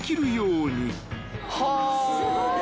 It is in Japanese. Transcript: すごい。